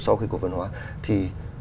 sau khi cổ phần hóa thì